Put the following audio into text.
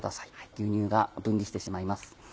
牛乳が分離してしまいます。